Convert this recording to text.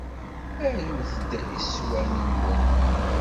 Arut-d iswan-nwen.